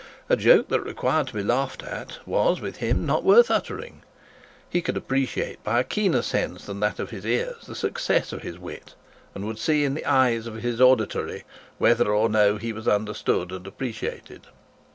A joke that required to be laughed at was, with him, not worth uttering. He could appreciate by a keener sense than that of his ears the success of his wit, and would see in the eyes of his auditory whether or no he was understood and appreciated.